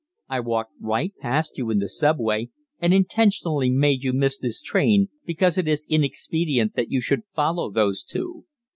I walked right past you in the sub way, and intentionally made you miss this train, because it is inexpedient that you should follow those two.